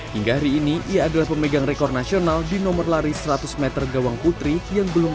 hingga hari ini ia adalah pemegang rekor nasional di nomor lari seratus meter gawang putri yang belum